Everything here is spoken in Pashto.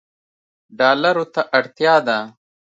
ډالرو ته اړتیا ده